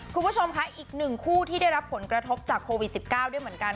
คุณผู้ชมค่ะอีกหนึ่งคู่ที่ได้รับผลกระทบจากโควิด๑๙ด้วยเหมือนกัน